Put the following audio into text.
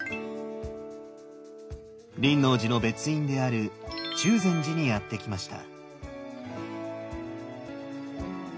輪王寺の別院である中禅寺にやって来ました。